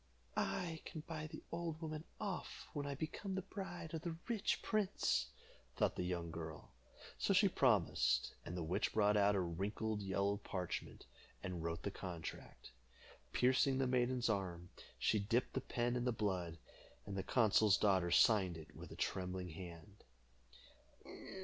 "I can buy the old woman off when I become the bride of the rich prince," thought the young girl. So she promised, and the witch brought out a wrinkled yellow parchment, and wrote the contract. Piercing the maiden's arm, she dipped the pen in the blood, and the consul's daughter signed it with a trembling hand.